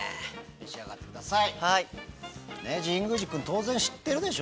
召し上がってください。